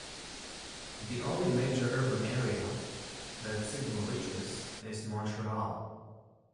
The only major urban area that its signal reaches is Montreal.